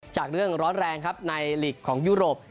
จากเรื่องร้อนแรงครับในหลีกของยุโรป